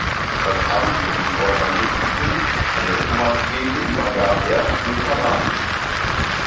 Das Amt des Organisten an der Thomaskirche übergab er Günther Ramin.